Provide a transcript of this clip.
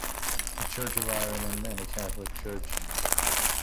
A Church of Ireland and a Catholic church.